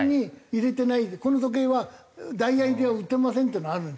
この時計はダイヤ入りは売ってませんっていうのある。